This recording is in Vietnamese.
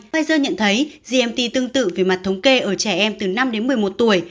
pfizer nhận thấy gmt tương tự về mặt thống kê ở trẻ em từ năm đến một mươi một tuổi